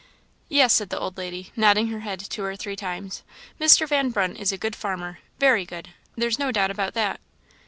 "Yes," said the old lady, nodding her head two or three times; "Mr. Van Brunt is a good farmer very good there's no doubt about that."